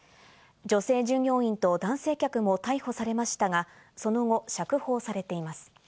女性従業員と男性客も逮捕されましたが、その後、釈放されています。